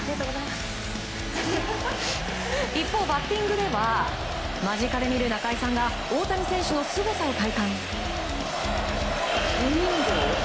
一方、バッティングでは間近で見る中居さんが大谷選手のすごさを体感！